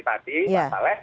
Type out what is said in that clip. yang terkata oleh tadi